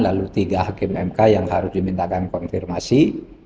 lalu tiga hakim mk yang harus dimintakan konfirmasi